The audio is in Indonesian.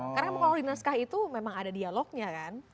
karena kalau rina skah itu memang ada dialognya kan